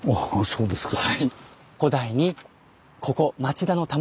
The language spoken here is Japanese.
そうですか。